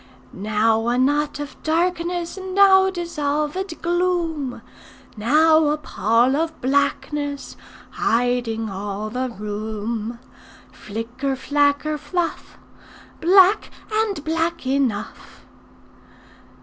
'Now a knot of darkness; Now dissolved gloom; Now a pall of blackness Hiding all the room. Flicker, flacker, fluff! Black, and black enough!